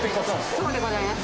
そうでございます。